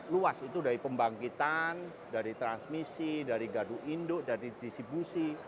luas itu dari pembangkitan dari transmisi dari gadu induk dari distribusi